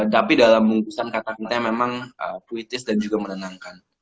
tapi dalam mengutusan kata katanya memang puitis dan juga menenangkan